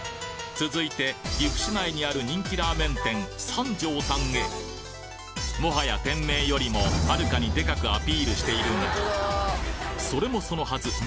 続いて岐阜市内にある人気ラーメン店三條さんへもはや店名よりもはるかにでかくアピールしているがそれもそのはず